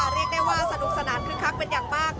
เรียกได้ว่าสนุกสนานคึกคักเป็นอย่างมาก